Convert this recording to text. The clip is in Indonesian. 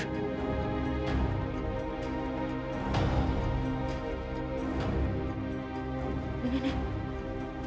ujang ujang ujang